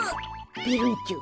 ペロンチョ。